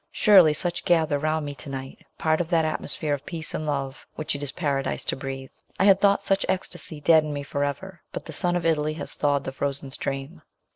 Surely such gather round me to night, part of that atmosphere of peace and love which it is paradise to breathe. I had thought such esctasy dead in me for ever, but the sun of Italy has thawed the frozen stream.